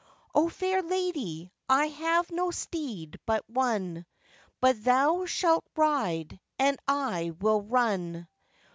'O, lady fair, I have no steed but one, But thou shalt ride and I will run.